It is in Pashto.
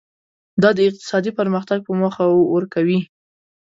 دا د اقتصادي پرمختګ په موخه ورکوي.